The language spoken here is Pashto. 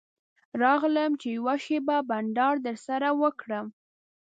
راغلم چې یوه شېبه بنډار درسره وکړم.